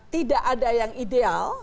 tidak ada yang ideal